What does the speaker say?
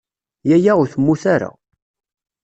Yaya ur temmut ara.